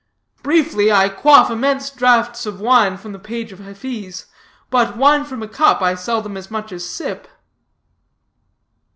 Briefly, I quaff immense draughts of wine from the page of Hafiz, but wine from a cup I seldom as much as sip."